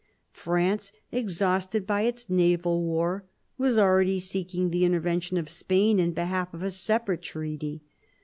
France, exhausted by its naval war, was already seeking the intervention of Spain in behalf of a separate treaty.